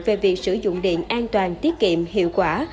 về việc sử dụng điện an toàn tiết kiệm hiệu quả